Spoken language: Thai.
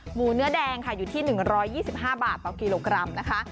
หมูเนื้อแดงค่ะอยู่ที่๑๒๕บาทต่อกิโลกรัมนะคะ